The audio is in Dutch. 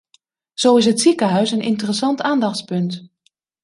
Zo is het ziekenhuis een interessant aandachtspunt.